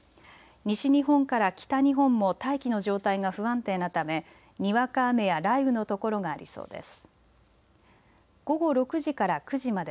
西日本から北日本も大気の状態が不安定なためにわか雨や雷雨の所がありそうです。